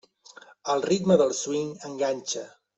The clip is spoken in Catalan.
El ritme del swing enganxa.